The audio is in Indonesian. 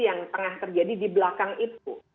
yang tengah terjadi di belakang itu